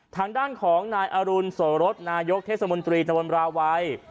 ทางด้านของนายอรุณสวรรคนายกเทศมนตรีจังหวัลบราวัย